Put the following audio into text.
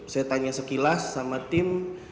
saya tanya sekilas sama tim